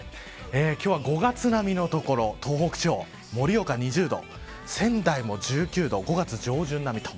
今日は５月並みの所東北地方、盛岡２０度仙台も１９度、５月上旬並みと。